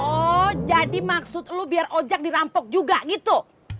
oh jadi maksud elu biar ojak dirampok juga gitu